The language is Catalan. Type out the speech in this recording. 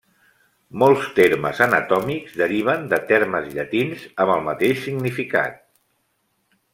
Molts termes anatòmics deriven de termes llatins amb el mateix significat.